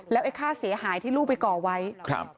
ไอ้ค่าเสียหายที่ลูกไปก่อไว้ครับ